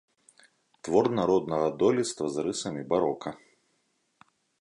Твор народнага дойлідства з рысамі барока.